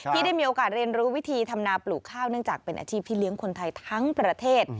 ที่ได้มีโอกาสเรียนรู้วิธีทำนาปลูกข้าวเนื่องจากเป็นอาชีพที่เลี้ยงคนไทยทั้งประเทศ